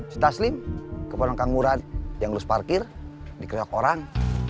si taslim keperluan kangmuran yang lulus parkir dikeriok orang